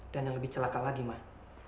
dan yang lebih celaka lagi mah